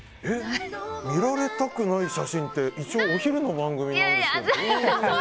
見られたくない写真って一応お昼の番組なんですけど。